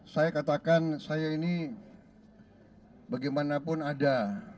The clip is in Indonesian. saya katakan saya ini bagaimanapun ada